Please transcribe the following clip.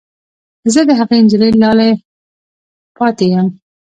زه د هغې نجلۍ لالی پاتې یم